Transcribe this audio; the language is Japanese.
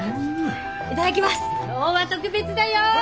今日は特別だよ！